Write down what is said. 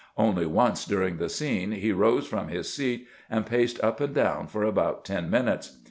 Only once during the scene he rose from his seat and paced up and down for about ten minutes.